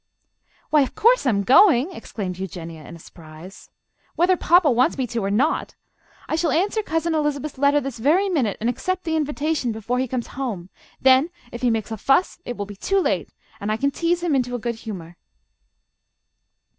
"Why, of course I am going!" exclaimed Eugenia, in surprise. "Whether papa wants me to or not! I shall answer Cousin Elizabeth's letter this very minute and accept the invitation before he comes home. Then if he makes a fuss it will be too late, and I can tease him into a good humour."